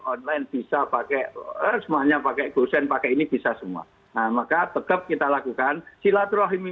online bisa pakai semuanya pakai gosen pakai ini bisa semua nah maka tetap kita lakukan silaturahim